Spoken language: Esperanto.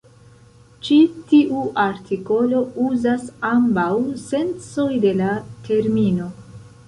Ĉi tiu artikolo uzas ambaŭ sencoj de la termino.